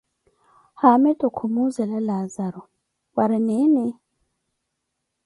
Haamitu khumuzela Laazaro, waari niini?